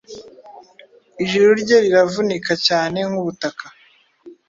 Ijuru rye riravunika cyane Nkubutaka